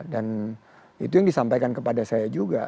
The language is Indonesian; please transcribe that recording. dan itu yang disampaikan kepada saya juga